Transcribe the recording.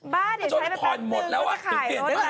บ้าดิใช้แป๊บนึงก็จะขายรถแล้ว